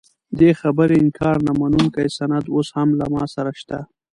دې خبرې انکار نه منونکی سند اوس هم له ما سره شته.